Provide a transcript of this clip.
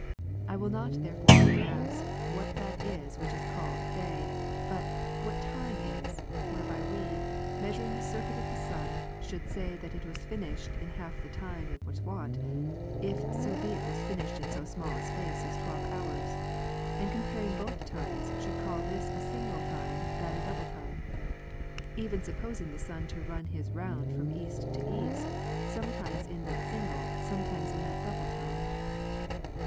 I will not therefore now ask, what that is which is called day ; but, what time is, whereby we, mea suring the circuit of the sun, should say that it was finished in half the time it was wont, if so be it was finished in so small a space as twelve hours ; and comparing both times, should call this a single time, that a double time ; even supposing the sun to run his round from east to east, sometimes in that single, sometimes in that double time.